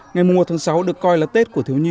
ngày mùa một tháng sáu được coi là tết của thiếu nhi